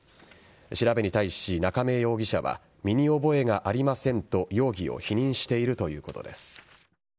調べに対し、中明容疑者は身に覚えがありませんと容疑を否認しているということです。